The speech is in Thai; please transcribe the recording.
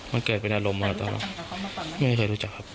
มันเกิดเป็นอารมณ์มาตั้งแต่ตอนนั้นไม่เคยรู้จักครับ